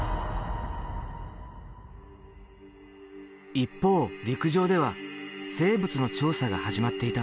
一方陸上では生物の調査が始まっていた。